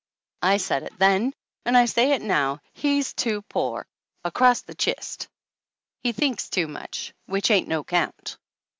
"I said it then and I say it now, he's too pore! Across the chist! He thinks too much, which ain't no 'count.